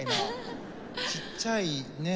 ちっちゃいねえ。